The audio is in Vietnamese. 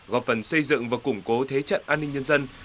góp phần xây dựng và củng cố thế trận an ninh nhân dân